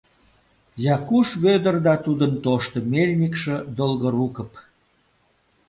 Якуш Вӧдыр да тудын тошто мельникше, Долгорукып.